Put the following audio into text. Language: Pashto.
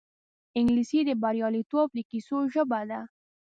انګلیسي د بریالیتوب د کیسو ژبه ده